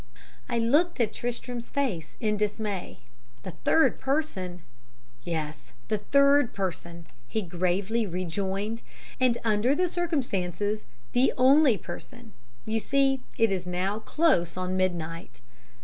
'" I looked at Tristram's face in dismay. "The third person!" "Yes, the third person," he gravely rejoined, "and under the circumstances the only person. You see it is now close on midnight."